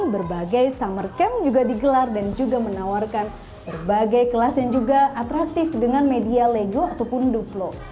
berbagai summer camp juga digelar dan juga menawarkan berbagai kelas yang juga atraktif dengan media lego ataupun duplo